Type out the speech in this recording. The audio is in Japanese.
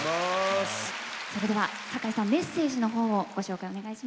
それでは酒井さんメッセージのほうをご紹介お願いします。